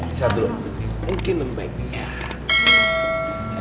disana dulu mungkin lebih baik nih ya